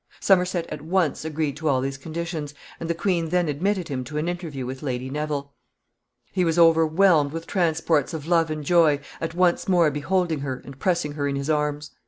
Somerset at once agreed to all these conditions, and the queen then admitted him to an interview with Lady Neville. [Sidenote: The interview.] He was overwhelmed with transports of love and joy at once more beholding her and pressing her in his arms.